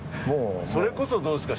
それこそどうですか？